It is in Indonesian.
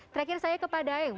terakhir saya kepada eng